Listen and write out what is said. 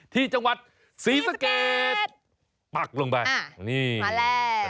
ที่จังหวัดศรีสะเกดปักลงไปนี่มาแล้ว